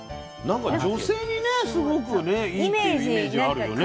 なんか女性にねすごくねいいっていうイメージあるよね。